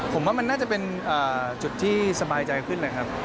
ผมว่ามันน่าจะเป็นจุดที่สบายใจขึ้นนะครับ